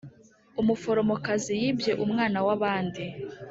umuforomokazi yibye umwana wabandi